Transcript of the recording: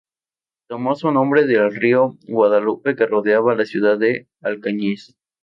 Tomó su nombre del río Guadalope que rodeaba la ciudad de Alcañiz.